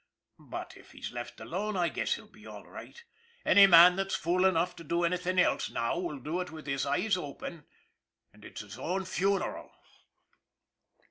" But if he's left alone I guess he'll be all right. Any man MARLEY 225 that's fool enough to do anything else now will do it with his eyes open, and it's his own funeral."